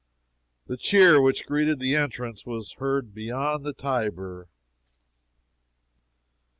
The cheer which greeted his entrance was heard beyond the Tiber!